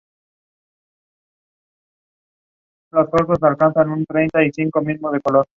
Fue demolida durante la reforma al abrir la calle Leandro Valle.